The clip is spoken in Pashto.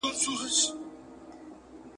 د هنر له ګوتو جوړي ګلدستې وې ,